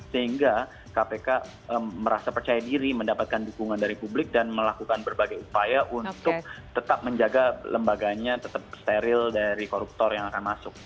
sehingga kpk merasa percaya diri mendapatkan dukungan dari publik dan melakukan berbagai upaya untuk tetap menjaga lembaganya tetap steril dari koruptor yang akan masuk